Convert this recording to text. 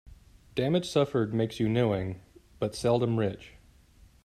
Damage suffered makes you knowing, but seldom rich.